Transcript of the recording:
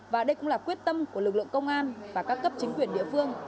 và đây cũng là quyết tâm của lực lượng công an và các cấp chính quyền địa phương